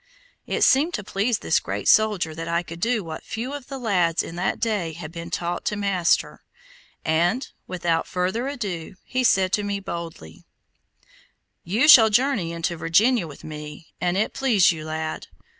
It seemed to please this great soldier that I could do what few of the lads in that day had been taught to master, and, without further ado, he said to me boldly: "You shall journey into Virginia with me, an' it please you, lad.